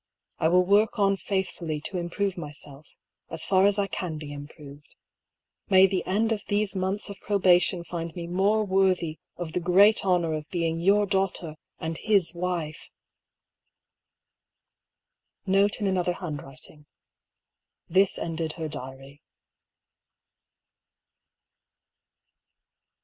I will work on faithfully to improve myself, as far as I can be im proved. May the end of these months of probation find me more worthy of the great honour of being your daughter and his wife ! Note in another handwriting :" This ended her diary."